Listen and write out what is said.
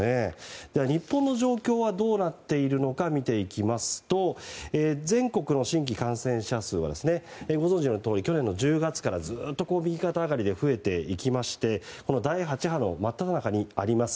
日本の状況はどうなっているのか見ていきますと全国の新規感染者数はご存じのとおり去年１０月からずっと右肩上がりで増えていきましてこの第８波の真っただ中にあります。